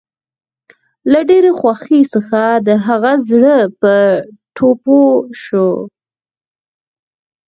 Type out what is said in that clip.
له ډېرې خوښۍ څخه د هغه زړه پر ټوپو شو